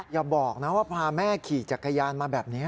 อย่าบอกนะว่าพาแม่ขี่จักรยานมาแบบนี้